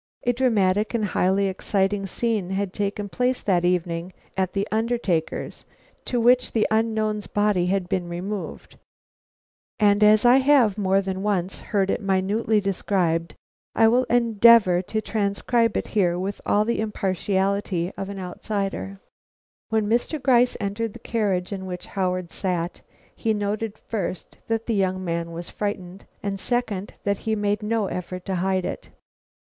A dramatic and highly exciting scene had taken place that evening at the undertaker's to which the unknown's body had been removed, and as I have more than once heard it minutely described, I will endeavor to transcribe it here with all the impartiality of an outsider. When Mr. Gryce entered the carriage in which Howard sat, he noted first, that the young man was frightened; and secondly, that he made no effort to hide it.